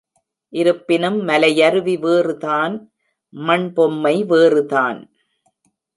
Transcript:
இருப்பினும் மலையருவி வேறுதான், மண்பொம்மை வேறுதான்.